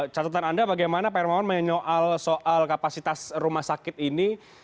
catatan anda bagaimana pak hermawan menyoal soal kapasitas rumah sakit ini